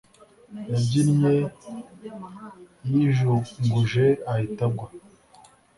yabyinnye yijunguje ahita agwa